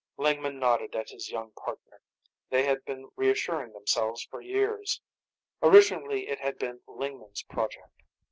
Lingman nodded at his young partner. They had been reassuring themselves for years. Originally it had been Lingman's project.